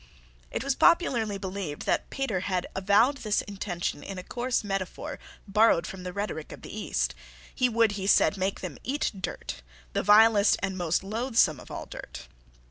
It was popularly believed that Petre had avowed this intention in a coarse metaphor borrowed from the rhetoric of the East. He would, he said, make them eat dirt, the vilest and most loathsome of all dirt.